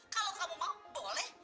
kalau kamu mau boleh